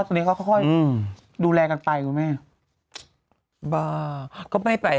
ตอนนี้มาใช่ไหม